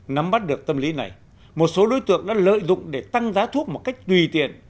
nắm bắt được tâm lý này một số đối tượng đã lợi dụng để tăng giá thuốc một cách tùy tiện